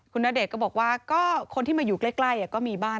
คุณณเดชน์ก็บอกว่าก็คนที่มาอยู่ใกล้ก็มีบ้าน